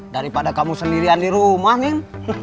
daripada kamu sendirian di rumah nih